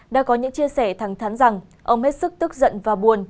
đã có những chia sẻ thẳng thắn rằng ông hết sức tức giận và buồn